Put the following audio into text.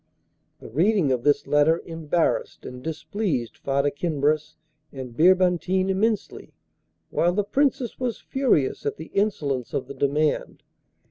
The reading of this letter embarrassed and displeased Farda Kinbras and Birbantine immensely, while the Princess was furious at the insolence of the demand.